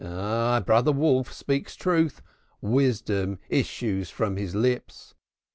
Ah, our brother Wolf speaks truth wisdom issues from his lips.